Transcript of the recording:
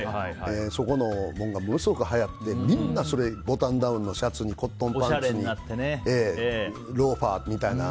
そこのものがものすごくはやってボタンダウンのシャツにコットンシャツにローファーみたいな。